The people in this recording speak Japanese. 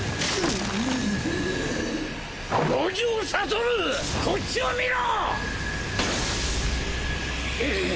五条悟こっちを見ろ！